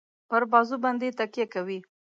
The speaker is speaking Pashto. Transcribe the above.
پر بازو باندي تکیه کوي.